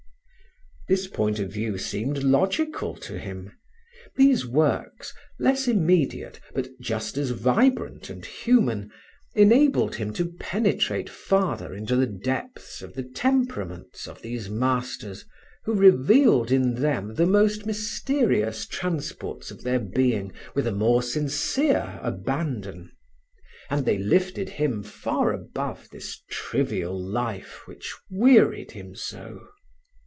This point of view seemed logical to him; these works less immediate, but just as vibrant and human, enabled him to penetrate farther into the depths of the temperaments of these masters who revealed in them the most mysterious transports of their being with a more sincere abandon; and they lifted him far above this trivial life which wearied him so.